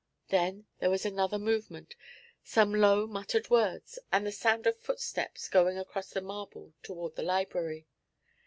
Then there was another movement, some low muttered words, and the sound of footsteps going across the marble toward the library.